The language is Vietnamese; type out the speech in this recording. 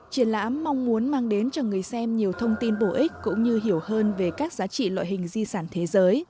triển lãm mong muốn mang đến cho người xem nhiều thông tin bổ ích cũng như hiểu hơn về các giá trị loại hình di sản thế giới